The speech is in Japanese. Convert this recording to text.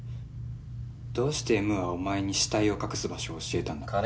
どうしてＭはお前に死体を隠す場所を教えたんだ？